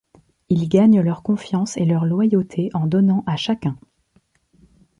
Il gagne leur confiance et leur loyauté en donnant à chacun.